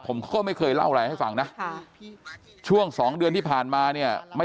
ผมก็ไม่เคยเล่าอะไรให้ฟังนะช่วงสองเดือนที่ผ่านมาเนี่ยไม่